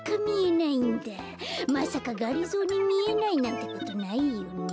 まさかがりぞーにみえないなんてことないよね？